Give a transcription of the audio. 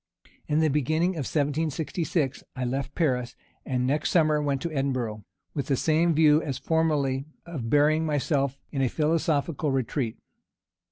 In the beginning of 1766, I left Paris, and next summer went to Edinburgh, with the same view as formerly, of burying myself in a philosophical retreat.